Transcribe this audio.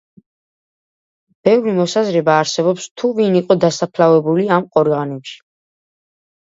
ბევრი მოსაზრება არსებობს თუ ვინ იყო დასაფლავებული ამ ყორღანებში.